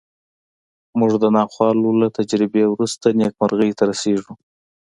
موږ د ناخوالو له تجربې وروسته نېکمرغۍ ته رسېږو